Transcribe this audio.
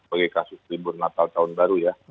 bagi kasus ribut natal tahun baru ya